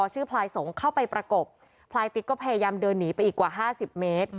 พลายสงฆ์เข้าไปประกบพลายติ๊กก็พยายามเดินหนีไปอีกกว่า๕๐เมตร